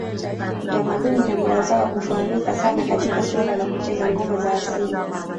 Utamaduni na mila zao hufahamika sana katika suala la kucheza ngoma za asili